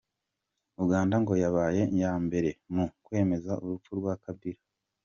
Uganda ngo yabaye nyambere mu kwemeza urupfu rwa Kabila.